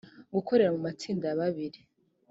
gukorera mu matsinda ya babiri